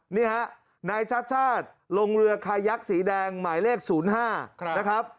นี่ฮะนายชาติชาติลงเรือคายักษ์สีแดงหมายเลข๐๕นะครับ